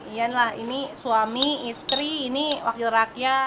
iya ini lah suami istri ini wakil rakyat